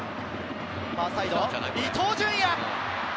ファーサイド、伊東純也。